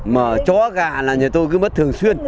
mà chó gạ là nhà tôi cứ mất thường xuyên